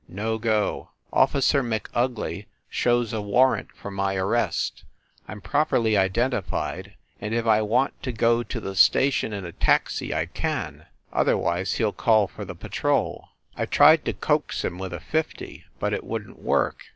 No go. Officer McUgly shows a warrant for my arrest. I m properly identified and if I want to go to the station in a taxi I can otherwise, he ll call for the patrol. I tried to coax him with a fifty, but it wouldn t work.